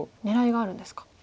狙いがあるんですか。